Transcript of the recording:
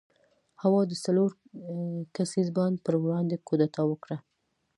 هوا د څلور کسیز بانډ پر وړاندې کودتا وکړه.